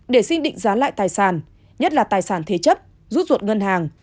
để xin định giá lại tài sản nhất là tài sản thế chấp rút ruột ngân hàng